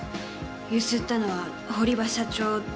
強請ったのは堀場社長ですね？